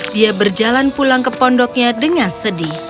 dia berjalan pulang ke pondoknya dengan sedih